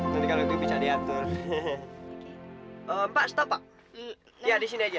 nanti kalau itu bisa diatur pak stop ya di sini aja